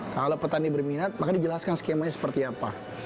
kalau petani berminat maka dijelaskan skemanya seperti apa